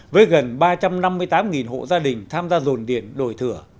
với gần ba trăm năm mươi tám hộ gia đình tham gia dồn điền đổi thửa